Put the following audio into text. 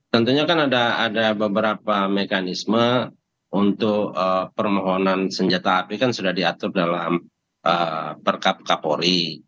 tentunya kan ada beberapa mekanisme untuk permohonan senjata api kan sudah diatur dalam perkap kapolri